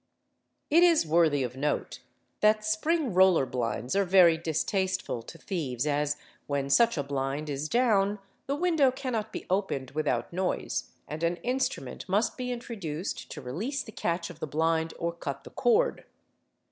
It is worthy of note that spring roller blinds are very distasteful to thieves as, when such a blind is down, the window cannot be opened without noise and an instrument must be introduced to release the catch of the blind or cut the cord.